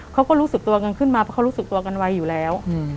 เขาก็รู้สึกตัวเงินขึ้นมาเพราะเขารู้สึกตัวกันไวอยู่แล้ว